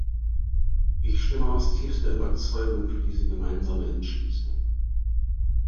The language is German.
Ich stimme aus tiefster Überzeugung für diese gemeinsame Entschließung.